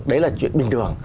đấy là chuyện bình thường